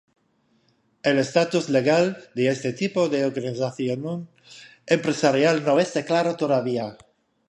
El estatus legal de este tipo de organización empresarial no está claro todavía.